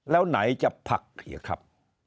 แล้วไหนจะผลักเหลือครับ